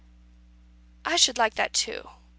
"I should like that too.